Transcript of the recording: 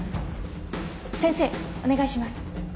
先生お願いします。